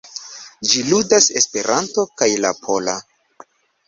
Ĝi ludas en Esperanto kaj la pola.